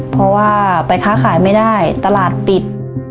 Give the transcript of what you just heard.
เพราะว่าไปค้าขายไม่ได้ตลาดปิด